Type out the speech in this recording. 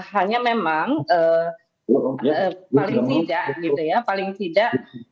hanya memang paling tidak gitu ya paling tidak